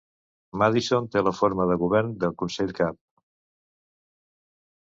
Madison té la forma de govern de consell-cap.